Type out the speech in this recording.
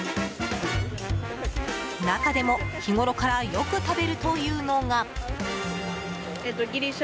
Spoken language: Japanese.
中でも日ごろからよく食べるというのが。